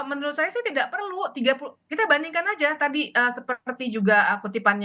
menurut saya tidak perlu tiga puluh kita bandingkan saja tadi seperti juga kutipannya